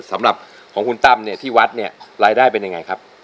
แต่สำหรับของคุณตั้มที่วัดรายได้เป็นยังไงครับ